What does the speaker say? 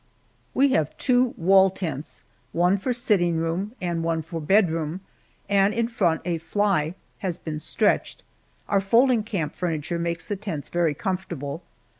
We have two wall tents, one for sitting room and one for bedroom, and in front a "fly" has been stretched. Our folding camp furniture makes the tents very comfortable.